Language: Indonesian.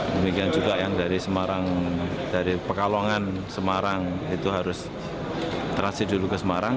demikian juga yang dari semarang dari pekalongan semarang itu harus transit dulu ke semarang